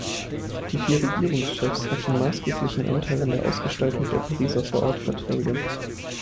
Die vier Regierungschefs hatten maßgeblichen Anteil an der Ausgestaltung der Pariser Vorortverträge.